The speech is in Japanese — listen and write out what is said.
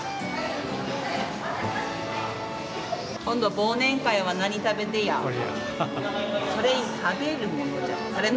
今度忘年会は何食べてえや？